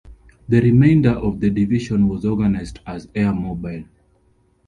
The remainder of the division was organized as Airmobile.